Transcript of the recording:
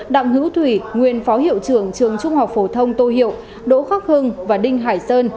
đặng hữu thủy nguyên phó hiệu trưởng trường trung học phổ thông tô hiệu đỗ khắc hưng và đinh hải sơn